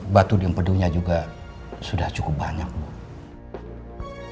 batu di empedunya juga sudah cukup banyak bu